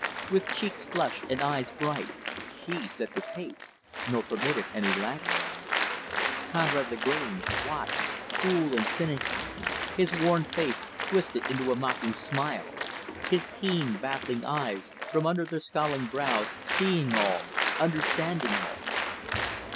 With cheeks flushed and eyes bright she set the pace, nor permitted any laggards. Conrad Lagrange watched, cool and cynical his worn face twisted into a mocking smile; his keen, baffling eyes, from under their scowling brows, seeing all, understanding all.